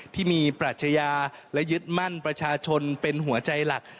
ที่มีปรัชญาและยึดมั่นประชาชนเป็นหัวใจหลัก